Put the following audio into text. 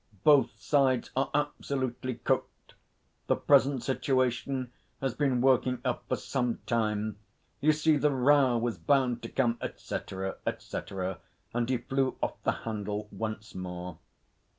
Both sides are absolutely cooked. The present situation has been working up for some time. You see the row was bound to come, etc. etc.,' and he flew off the handle once more.